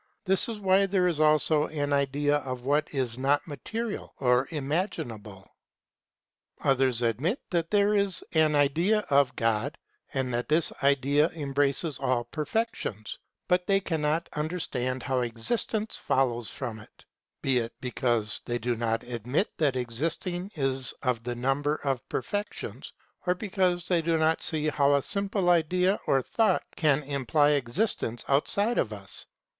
This is why there is also an idea of what is not material or imaginable. Others admit that there is an idea of God, and that this idea embraces all perfections, but they cannot understand how existence follows from it : be it because they do not admit that existence is 133 of the number of perfections, or because they do not see how a simple idea or thought can imply existence outside of us.